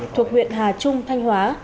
thuộc huyện hà trung thanh hóa